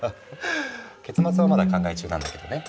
結末はまだ考え中なんだけどね。